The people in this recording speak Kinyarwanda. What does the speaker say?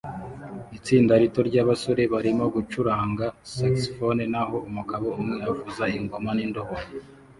Itsinda rito ryabasore barimo gucuranga saxofone naho umugabo umwe avuza ingoma nindobo